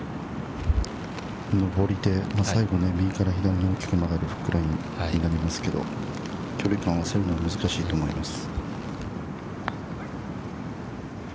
◆上りで最後右から左に大きく曲がるフックラインになりますけれども、距離感は難しいと思います。